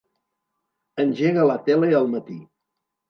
Engega la tele al matí.